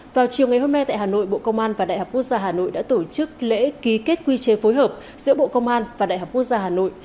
vào chiều ngày hôm nay tại hà nội bộ công an và đại học quốc gia hà nội đã tổ chức lễ ký kết quy chế phối hợp giữa bộ công an và đại học quốc gia hà nội